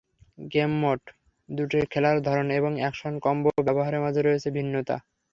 Game mode দুটির খেলার ধরন এবং অ্যাকশন কম্বো ব্যবহারের মাঝে রয়েছে ভিন্নতা।